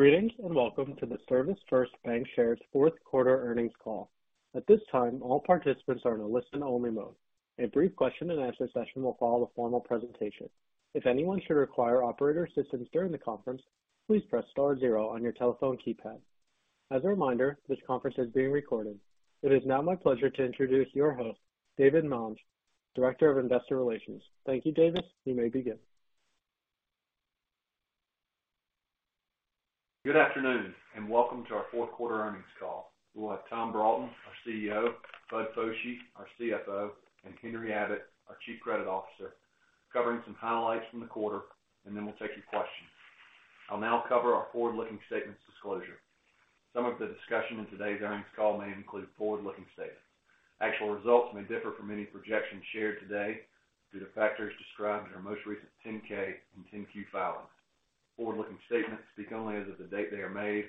Greetings, welcome to the ServisFirst Bancshares' fourth quarter earnings call. At this time, all participants are in a listen-only mode. A brief question and answer session will follow the formal presentation. If anyone should require operator assistance during the conference, please press star zero on your telephone keypad. As a reminder, this conference is being recorded. It is now my pleasure to introduce your host, Davis Mange, Director of Investor Relations. Thank you, David. You may begin. Good afternoon, and welcome to our fourth quarter earnings call. We'll have Tom Broughton, our CEO, Bud Foshee, our CFO, and Henry Abbott, our Chief Credit Officer, covering some highlights from the quarter. We'll take your questions. I'll now cover our forward-looking statements disclosure. Some of the discussion in today's earnings call may include forward-looking statements. Actual results may differ from any projections shared today due to factors described in our most recent 10-K and 10-Q filings. Forward-looking statements speak only as of the date they are made.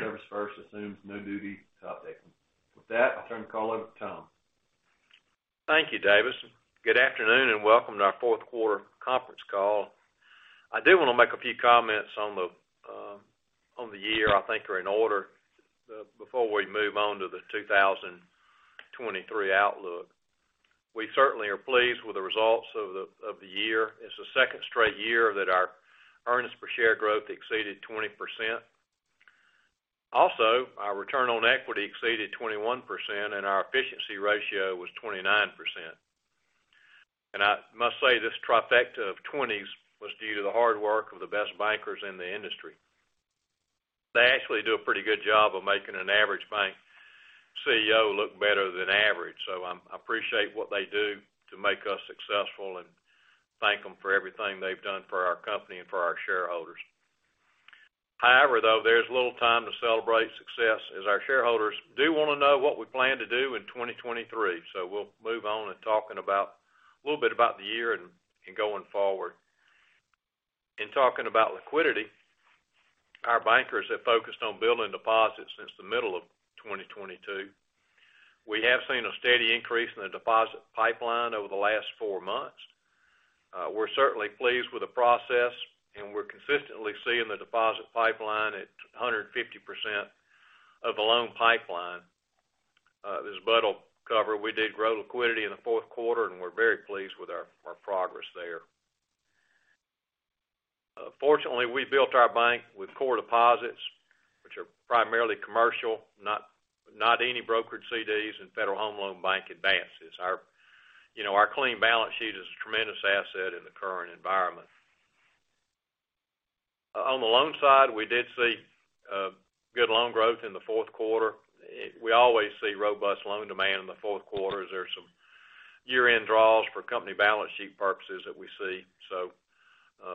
ServisFirst assumes no duty to update them. With that, I'll turn the call over to Tom. Thank you, David. Good afternoon, welcome to our fourth quarter conference call. I do wanna make a few comments on the year I think are in order before we move on to the 2023 outlook. We certainly are pleased with the results of the year. It's the second straight year that our earnings per share growth exceeded 20%. Our return on equity exceeded 21% and our efficiency ratio was 29%. I must say this trifecta of twenties was due to the hard work of the best bankers in the industry. They actually do a pretty good job of making an average bank CEO look better than average. I appreciate what they do to make us successful and thank them for everything they've done for our company and for our shareholders. However, though, there's little time to celebrate success as our shareholders do wanna know what we plan to do in 2023. We'll move on in talking about, a little bit about the year and going forward. In talking about liquidity, our bankers have focused on building deposits since the middle of 2022. We have seen a steady increase in the deposit pipeline over the last four months. We're certainly pleased with the process, and we're consistently seeing the deposit pipeline at 150% of the loan pipeline. As Bud will cover, we did grow liquidity in the fourth quarter, and we're very pleased with our progress there. Fortunately, we built our bank with core deposits, which are primarily commercial, not any brokered CDs and Federal Home Loan Bank advances. Our, you know, our clean balance sheet is a tremendous asset in the current environment. On the loan side, we did see good loan growth in the fourth quarter. We always see robust loan demand in the fourth quarter as there's some year-end draws for company balance sheet purposes that we see.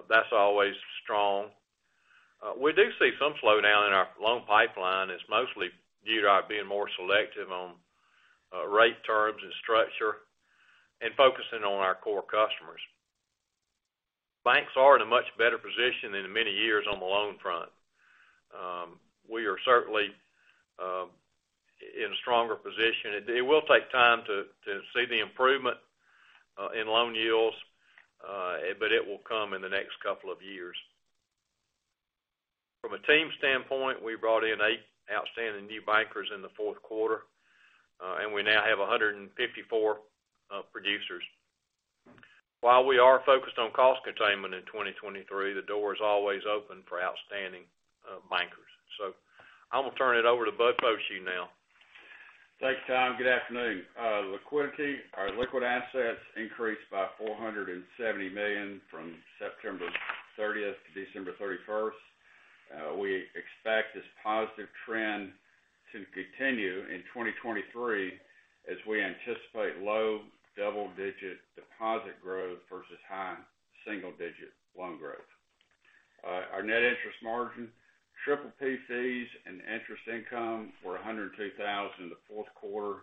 That's always strong. We do see some slowdown in our loan pipeline. It's mostly due to our being more selective on rate terms and structure and focusing on our core customers. Banks are in a much better position than in many years on the loan front. We are certainly in a stronger position. It will take time to see the improvement in loan yields, but it will come in the next couple of years. From a team standpoint, we brought in eight outstanding new bankers in the fourth quarter, and we now have 154 producers. While we are focused on cost containment in 2023, the door is always open for outstanding bankers. I'm gonna turn it over to Bud Foshee now. Thanks, Tom. Good afternoon. Liquidity. Our liquid assets increased by $470 million from September 30th to December 31st. We expect this positive trend to continue in 2023 as we anticipate low double-digit deposit growth versus high single-digit loan growth. Our net interest margin, PPP fees and interest income for $102 thousand in the fourth quarter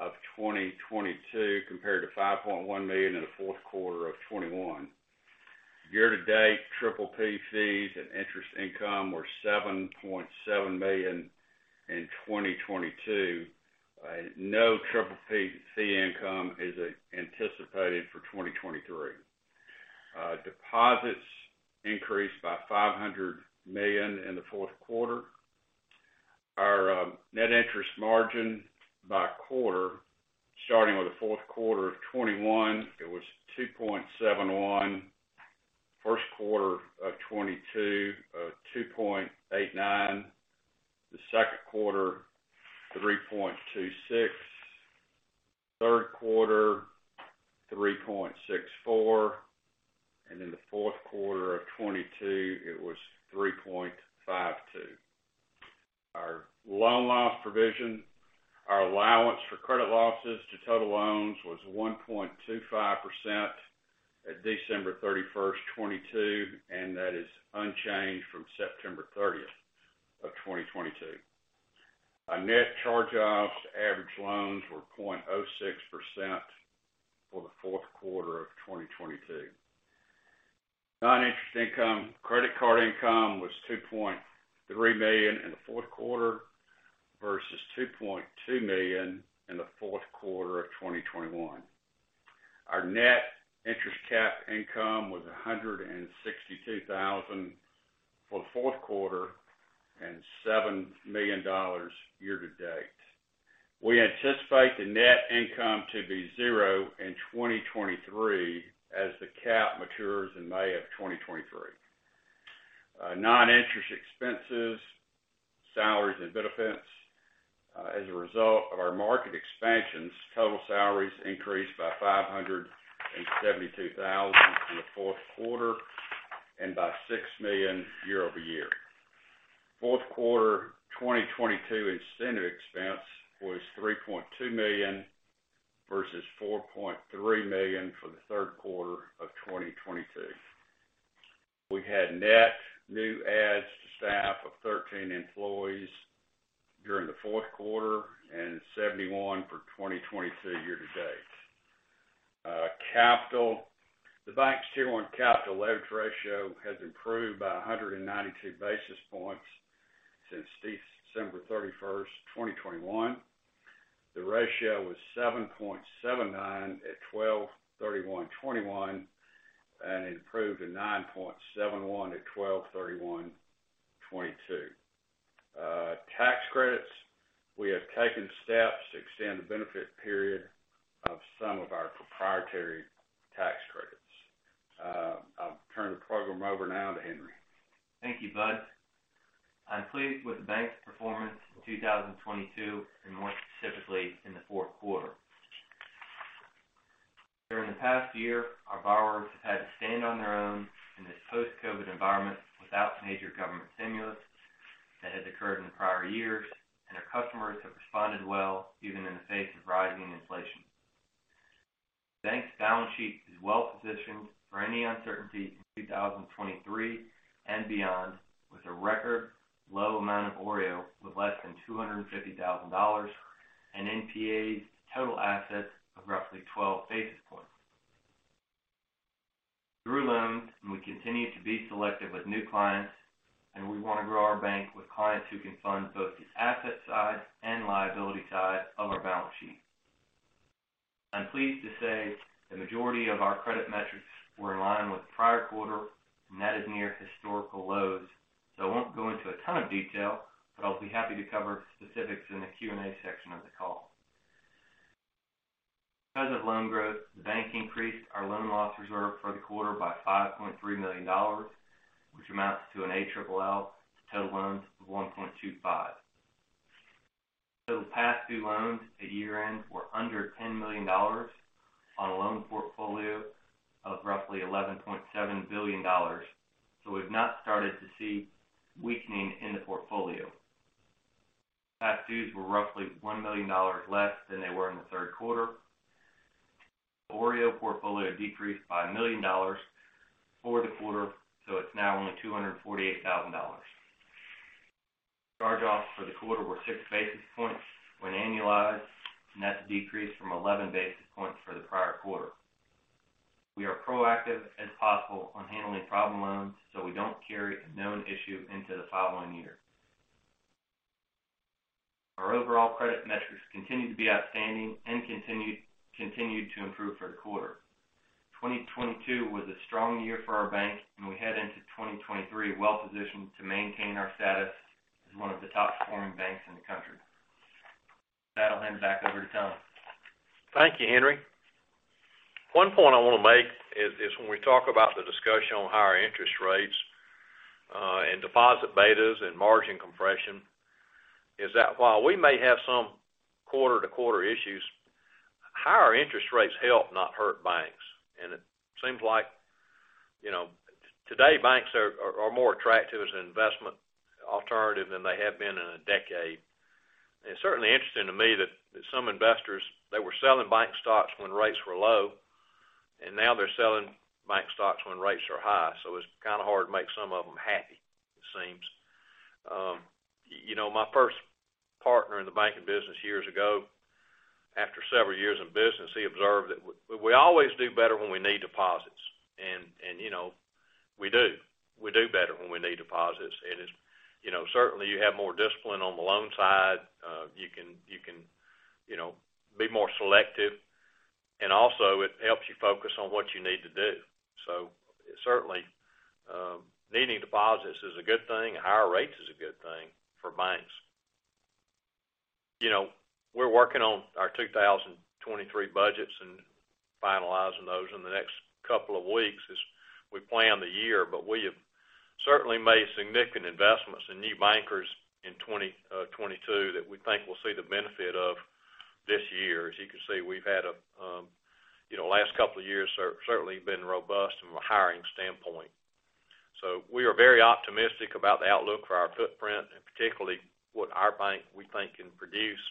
of 2022 compared to $5.1 million in the fourth quarter of 2021. Year to date, PPP fees and interest income were $7.7 million in 2022. No triple fee income is anticipated for 2023. Deposits increased by $500 million in the fourth quarter. Our net interest margin by quarter, starting with the fourth quarter of 2021, it was 2.71%. First quarter of 2022, 2.89%. Second quarter, 3.26%. Third quarter, 3.64%. The fourth quarter of 2022, it was 3.52%. Our loan loss provision, our allowance for credit losses to total loans was 1.25% at December 31, 2022, that is unchanged from September 30, 2022. Our net charge offs average loans were 0.06% for the fourth quarter of 2022. Non-interest income, credit card income was $2.3 million in the fourth quarter versus $2.2 million in the fourth quarter of 2021. Our net interest cap income was $162,000 for the fourth quarter and $7 million year to date. We anticipate the net income to be zero in 2023 as the cap matures in May 2023. Non-interest expenses, salaries, and benefits, as a result of our market expansions, total salaries increased by $572,000 in the fourth quarter and by $6 million year-over-year. Fourth quarter 2022 incentive expense was $3.2 million versus $4.3 million for the third quarter of 2022. We had net new adds to staff of 13 employees during the fourth quarter and 71 for 2022 year to date. Capital. The bank's Tier 1 capital leverage ratio has improved by 192 basis points since December 31, 2021. The ratio was 7.79 at 12/31/2021, and it improved to 9.71 at 12/31/2022. Tax credits, we have taken steps to extend the benefit period of some of our proprietary tax credits. I'll turn the program over now to Henry. Thank you, Bud. I'm pleased with the bank's performance in 2022 and more specifically in the fourth quarter. During the past year, our borrowers have had to stand on their own in this post-COVID environment without major government stimulus that has occurred in prior years. Our customers have responded well, even in the face of rising inflation. The bank's balance sheet is well positioned for any uncertainty in 2023 and beyond, with a record low amount of OREO with less than $250,000 and NPAs total assets of roughly 12 basis points. Through loans, we continue to be selective with new clients. We want to grow our bank with clients who can fund both the asset side and liability side of our balance sheet. I'm pleased to say the majority of our credit metrics were in line with the prior quarter. That is near historical lows. I won't go into a ton of detail, but I'll be happy to cover specifics in the Q&A section of the call. Because of loan growth, the bank increased our allowance for credit losses for the quarter by $5.3 million, which amounts to an ALL to total loans of 1.25%. The past due loans at year-end were under $10 million on a loan portfolio of roughly $11.7 billion. We've not started to see weakening in the portfolio. Past dues were roughly $1 million less than they were in the third quarter. OREO portfolio decreased by $1 million for the quarter, so it's now only $248,000. Charge-offs for the quarter were 6 basis points when annualized. That's a decrease from 11 basis points for the prior quarter. We are proactive as possible on handling problem loans. We don't carry a known issue into the following year. Our overall credit metrics continued to be outstanding, continued to improve for the quarter. 2022 was a strong year for our bank. We head into 2023 well-positioned to maintain our status as one of the top performing banks in the country. That'll hand it back over to Tom. Thank you, Henry. One point I want to make is when we talk about the discussion on higher interest rates, and deposit betas and margin compression, is that while we may have some quarter-to-quarter issues, higher interest rates help not hurt banks. It seems like, you know, today banks are more attractive as an investment alternative than they have been in a decade. It's certainly interesting to me that some investors, they were selling bank stocks when rates were low, now they're selling bank stocks when rates are high. It's kind of hard to make some of them happy, it seems. You know, my first partner in the banking business years ago, after several years in business, he observed that we always do better when we need deposits. You know, we do. We do better when we need deposits. It's, you know, certainly you have more discipline on the loan side. You can, you know, be more selective. Also it helps you focus on what you need to do. Certainly, needing deposits is a good thing, and higher rates is a good thing for banks. You know, we're working on our 2023 budgets and finalizing those in the next couple of weeks as we plan the year. We have certainly made significant investments in new bankers in 2022 that we think we'll see the benefit of this year. As you can see, we've had a, you know, last couple of years certainly been robust from a hiring standpoint. We are very optimistic about the outlook for our footprint and particularly what our bank, we think, can produce,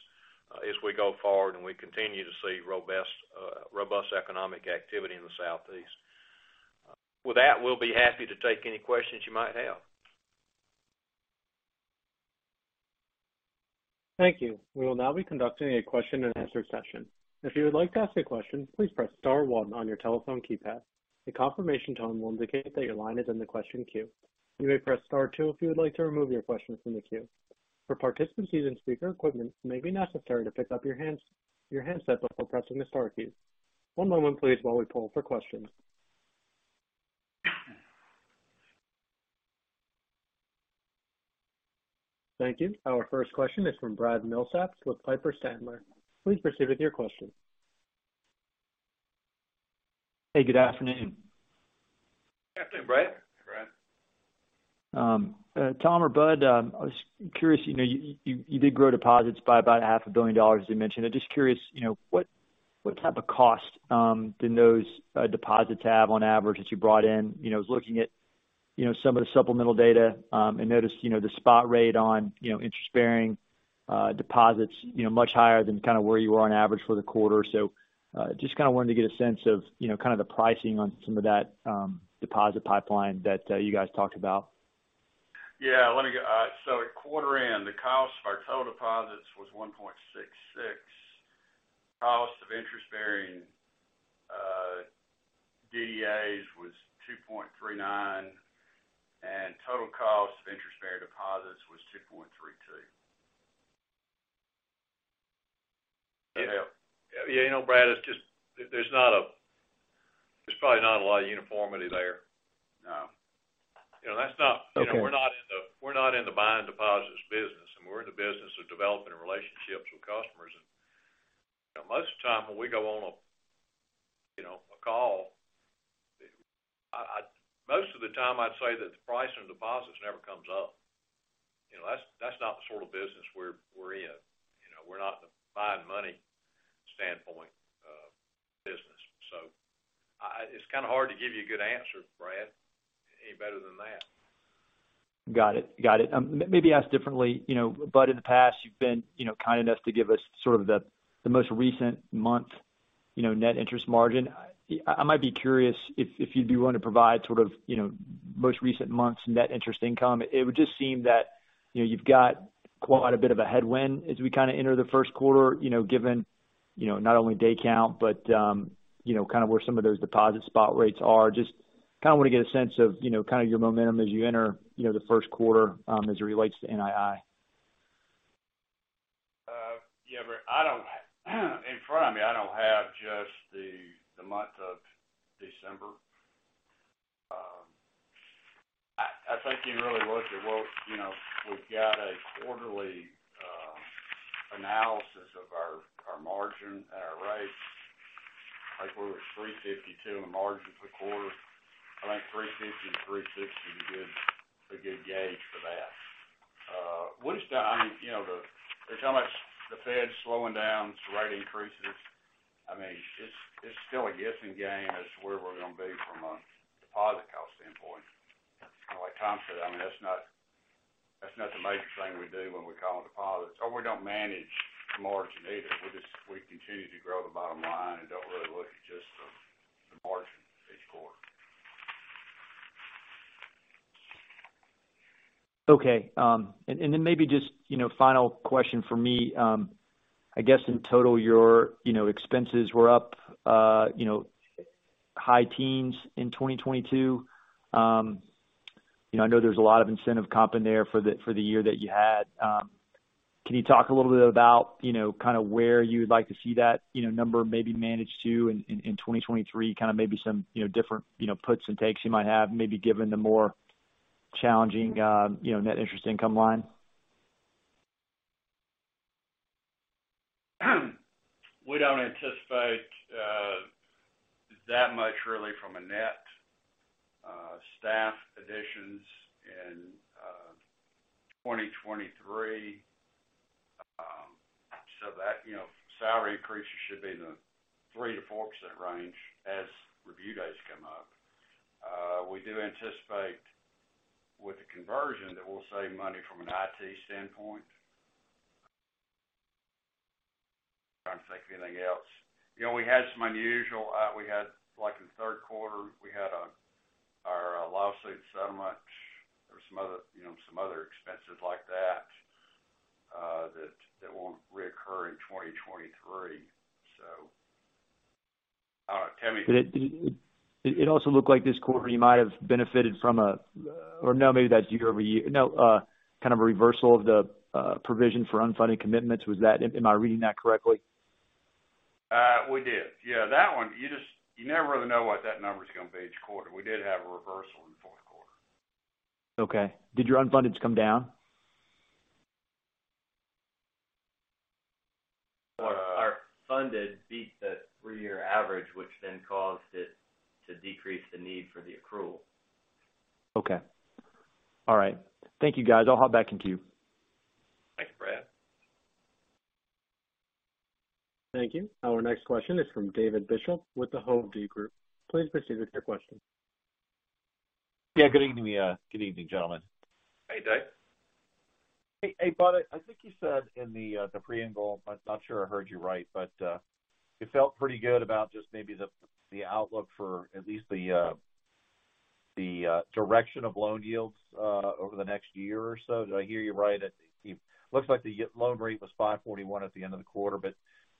as we go forward, and we continue to see robust economic activity in the southeast. With that, we'll be happy to take any questions you might have. Thank you. We will now be conducting a question and answer session. If you would like to ask a question, please press star one on your telephone keypad. A confirmation tone will indicate that your line is in the question queue. You may press star two if you would like to remove your question from the queue. For participants using speaker equipment, it may be necessary to pick up your handset before pressing the star key. One moment please, while we poll for questions. Thank you. Our first question is from Bradley Milsaps with Piper Sandler. Please proceed with your question. Hey, good afternoon. Good afternoon, Brad. Hey, Brad. Tom or Bud, I was curious, you know, you did grow deposits by about a half a billion dollars, as you mentioned. I'm just curious, you know, what type of cost did those deposits have on average that you brought in? You know, I was looking at, you know, some of the supplemental data and noticed, you know, the spot rate on, you know, interest-bearing deposits, you know, much higher than kind of where you were on average for the quarter. Just kinda wanted to get a sense of, you know, kind of the pricing on some of that deposit pipeline that you guys talked about. Yeah. Let me at quarter end, the cost of our total deposits was 1.66%. Cost of interest-bearing DDAs was 2.39%, total cost of interest-bearing deposits was 2.32%. Yeah. Yeah, you know, Brad, there's probably not a lot of uniformity there. No. You know. Okay. You know, we're not in the buying deposits business, and we're in the business of developing relationships with customers. You know, most of the time when we go on a, you know, a call, most of the time, I'd say that the price of deposits never comes up. You know, that's not the sort of business we're in. You know, we're not the buying money standpoint business. It's kind of hard to give you a good answer, Brad, any better than that. Got it. Got it. Maybe asked differently. You know, Bud, in the past, you've been, you know, kind enough to give us sort of the most recent month, you know, net interest margin. I might be curious if you'd be willing to provide sort of, you know, most recent months net interest income. It would just seem that, you know, you've got quite a bit of a headwind as we kinda enter the first quarter, you know, given, you know, not only day count, but, you know, kind of where some of those deposit spot rates are. Just kinda wanna get a sense of, you know, kinda your momentum as you enter, you know, the first quarter, as it relates to NII. Yeah, in front of me, I don't have just the month of December. I think you can really look at what, you know, we've got a quarterly analysis of our margin and our rates, like where it was 352 in the margins for the quarter. I think 350 to 360 would be a good gauge for that. We just, you know, there's how much the Fed's slowing down its rate increases. I mean, it's still a guessing game as to where we're gonna be from a deposit cost standpoint. Kinda like Tom said, I mean, that's not the major thing we do when we call deposits, or we don't manage margin either. We continue to grow the bottom line and don't really look at just the margin each quarter. Okay. Then maybe just, you know, final question from me. I guess in total your, you know, expenses were up, you know, high teens in 2022. You know, I know there's a lot of incentive comp in there for the, for the year that you had. Can you talk a little bit about, you know, kinda where you would like to see that, you know, number maybe managed to in 2023, kinda maybe some, you know, different, you know, puts and takes you might have, maybe given the more challenging, you know, net interest income line? We don't anticipate that much really from a net staff additions in 2023. That, you know, salary increases should be in the 3%-4% range as review dates come up. We do anticipate with the conversion that we'll save money from an IT standpoint. I'm trying to think of anything else. You know, we had some unusual. We had, like in the third quarter, we had our lawsuit settlement. There were some other, you know, some other expenses like that that won't reoccur in 2023. All right, Tom. It also looked like this quarter you might have benefited or no, maybe that's year-over-year. No. kind of a reversal of the provision for unfunded commitments. Am I reading that correctly? We did. Yeah, that one, you just, you never really know what that number's gonna be each quarter. We did have a reversal in the fourth quarter. Okay. Did your unfundeds come down? Our funded beat the three-year average, which then caused it to decrease the need for the accrual. Okay. All right. Thank you, guys. I'll hop back in queue. Thanks, Brad. Thank you. Our next question is from David Bishop with the Hovde Group. Please proceed with your question. Yeah, good evening, good evening, gentlemen. Hey, Dave. Hey, hey, Bud, I think you said in the preamble, I'm not sure I heard you right, but, you felt pretty good about just maybe the outlook for at least the, direction of loan yields, over the next year or so. Did I hear you right? It looks like the loan rate was 5.41% at the end of the quarter, but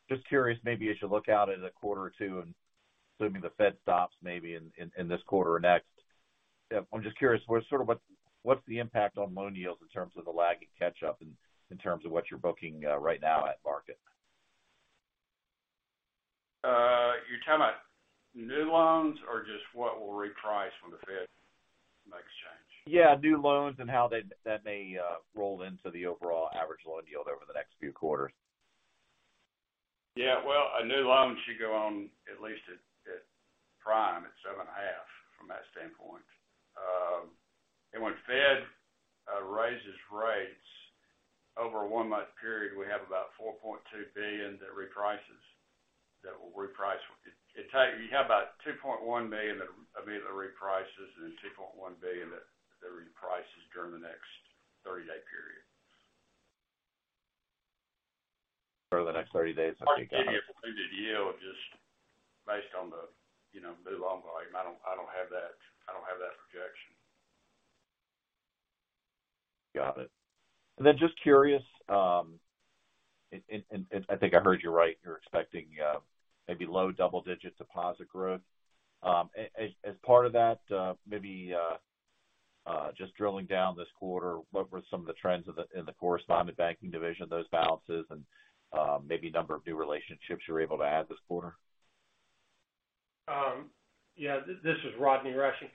just curious, maybe as you look out at a quarter or two, and assuming the Fed stops maybe in this quarter or next I'm just curious, what's the impact on loan yields in terms of the lag and catch up in terms of what you're booking, right now at market? You're talking about new loans or just what will reprice when the Fed makes a change? Yeah, new loans and how that may roll into the overall average loan yield over the next few quarters. Yeah. Well, a new loan should go on at least at prime, at 7.5% from that standpoint. When Fed raises rates over a 1-month period, we have about $4.2 billion that reprices. That will reprice. You have about $2.1 million that immediately reprices and then $6.1 billion that reprices during the next 30-day period. Over the next 30 days, okay, got it. Hard to give you a completed yield just based on the, you know, new loan volume. I don't have that, I don't have that projection. Got it. Just curious, and I think I heard you right, you're expecting, maybe low double-digit deposit growth. As part of that, maybe just drilling down this quarter, what were some of the trends in the correspondent banking division, those balances and, maybe number of new relationships you were able to add this quarter? Yeah. This is Rodney Rushing.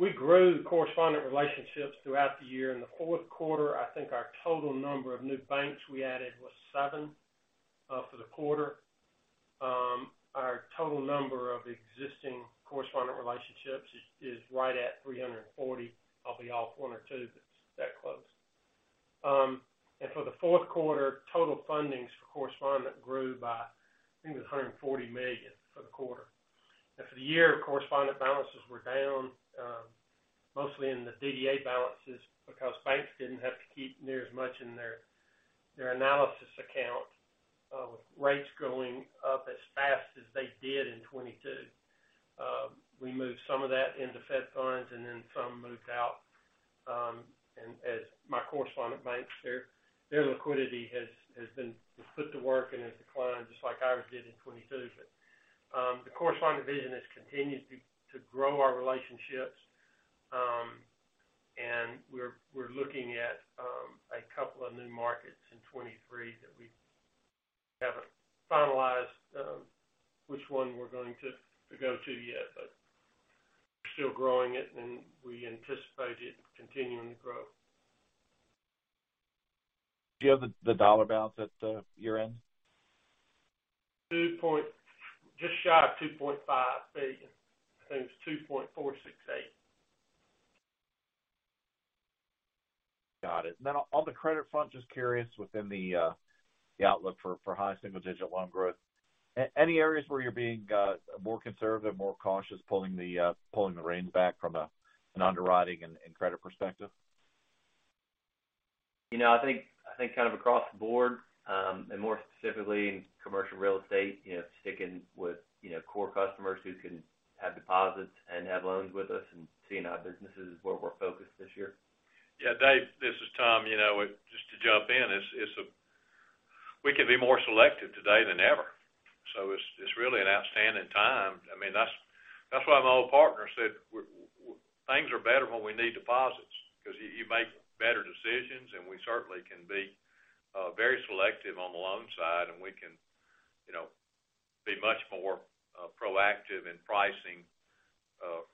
We grew the correspondent relationships throughout the year. In the fourth quarter, I think our total number of new banks we added was seven for the quarter. Our total number of existing correspondent relationships is right at 340. I'll be off 1 or 2, but it's that close. For the fourth quarter, total fundings for correspondent grew by, I think it was $140 million for the quarter. For the year, correspondent balances were down, mostly in the DDA balances because banks didn't have to keep near as much in their analysis account with rates going up as fast as they did in 2022. We moved some of that into Fed funds and then some moved out, and as my correspondent banks, their liquidity was put to work and has declined just like ours did in 2022. The correspondent division has continued to grow our relationships, and we're looking at a couple of new markets in 2023 that we haven't finalized, which one we're going to go to yet. We're still growing it, and we anticipate it continuing to grow. Do you have the dollar balance at year-end? Just shy of $2.5 billion. I think it was $2.468 billion. Got it. On the credit front, just curious within the outlook for high single-digit loan growth. Any areas where you're being more conservative, more cautious, pulling the reins back from an underwriting and credit perspective? You know, I think kind of across the board, more specifically in commercial real estate, you know, sticking with, you know, core customers who can have deposits and have loans with us and seeing how business is where we're focused this year. Yeah, Dave, this is Tom. You know, just to jump in, it's we can be more selective today than ever. It's, it's really an outstanding time. I mean, that's why my old partner said things are better when we need deposits because you make better decisions, and we certainly can be very selective on the loan side, and we can, you know, be much more proactive in pricing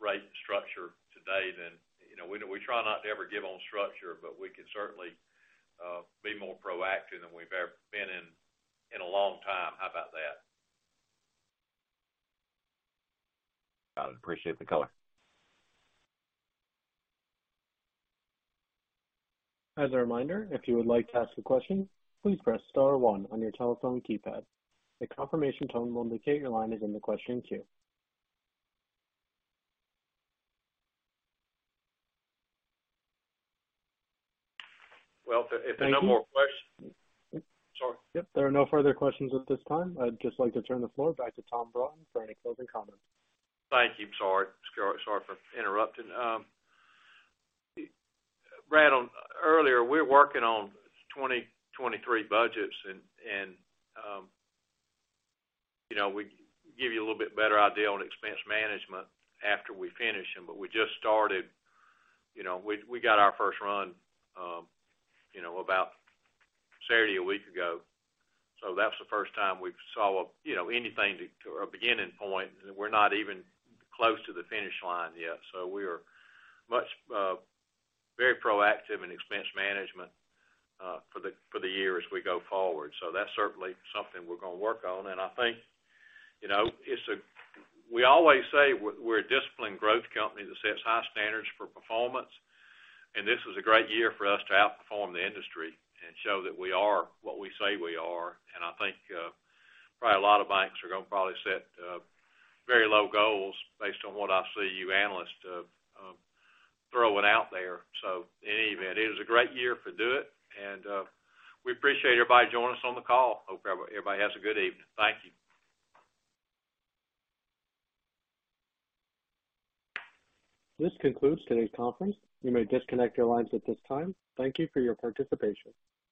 rate structure today than... You know, we try not to ever give on structure, we can certainly be more proactive than we've ever been in a long time. How about that? Got it. Appreciate the color. As a reminder, if you would like to ask a question, please press star one on your telephone keypad. A confirmation tone will indicate your line is in the question queue. Well, if there are no more questions. Thank you. Sorry. Yep. There are no further questions at this time. I'd just like to turn the floor back to Tom Broughton for any closing comments. Thank you. Sorry for interrupting. Brad, earlier, we're working on 2023 budgets and, you know, we give you a little bit better idea on expense management after we finish them. We just started. You know, we got our first run, you know, about Saturday, a week ago, so that's the first time we saw a, you know, anything to a beginning point. We're not even close to the finish line yet. We are much, very proactive in expense management for the year as we go forward. That's certainly something we're gonna work on. I think, you know, we always say we're a disciplined growth company that sets high standards for performance, and this was a great year for us to outperform the industry and show that we are what we say we are. I think, probably a lot of banks are gonna probably set very low goals based on what I see you analysts throwing out there. In any event, it was a great year for Dot, and we appreciate everybody joining us on the call. Hope everybody has a good evening. Thank you. This concludes today's conference. You may disconnect your lines at this time. Thank you for your participation.